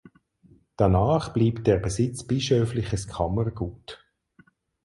Danach blieb der Besitz bischöfliches Kammergut.